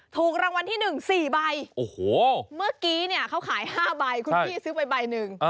ถูกรางวัลที่๑๔ใบโอ้โหเมื่อกี้เนี่ยเขาขาย๕ใบคุณพี่ซื้อไปใบหนึ่ง